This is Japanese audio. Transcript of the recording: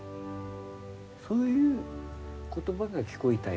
そういう言葉が聞こえたよ。